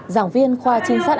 giảng viên khoa trinh sát